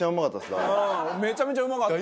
めちゃめちゃうまかった。